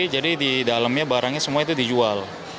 jadi di dalamnya barangnya semua itu dijual